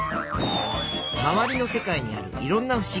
まわりの世界にあるいろんなふしぎ。